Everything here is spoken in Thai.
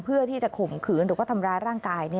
เพื่อที่จะขมขืนหรือทำร้านร่างกาย